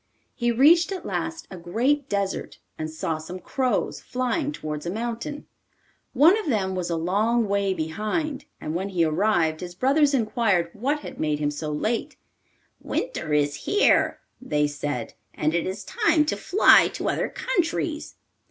He reached at last a great desert, and saw some crows flying towards a mountain. One of them was a long way behind, and when he arrived his brothers inquired what had made him so late. 'Winter is here,' they said, 'and it is time to fly to other countries.